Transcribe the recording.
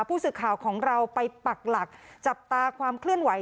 ผู้สื่อข่าวของเราไปปักหลักจับตาความเคลื่อนไหว